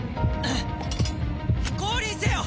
降臨せよ！